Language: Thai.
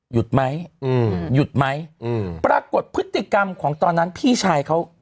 ไหมอืมหยุดไหมอืมปรากฏพฤติกรรมของตอนนั้นพี่ชายเขา